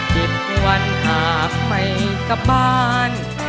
เจ็บวันอาบไปกลับบ้าน